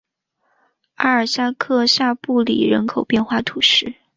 阿尔夏克下布里人口变化图示